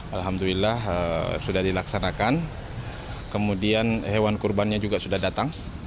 alhamdulillah sudah dilaksanakan kemudian hewan kurbannya juga sudah datang